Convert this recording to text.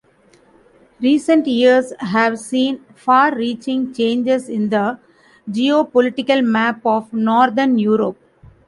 Recent years have seen far-reaching changes in the geopolitical map of northern Europe.